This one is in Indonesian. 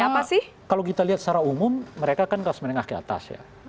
ya pasti kalau kita lihat secara umum mereka kan kelas menengah ke atas ya